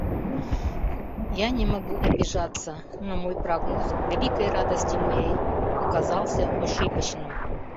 Я не могу обижаться, но мой прогноз, к великой радости моей, оказался ошибочным.